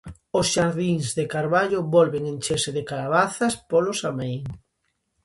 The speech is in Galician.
Os xardíns de Carballo volven encherse de cabazas polo Samaín.